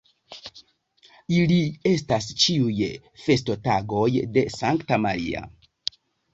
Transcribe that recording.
Ili estas ĉiuj festotagoj de Sankta Maria.